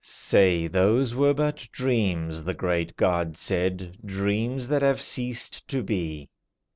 "Say, those were but dreams," the Great God said, "Dreams, that have ceased to be.